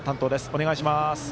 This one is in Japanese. お願いします。